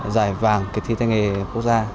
giải vàng kỳ thi tài nghề quốc gia